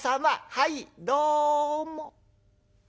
はいどうも。